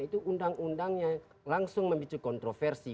itu undang undang yang langsung memicu kontroversi gitu